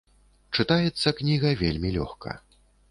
Чытаецца кніга вельмі лёгка.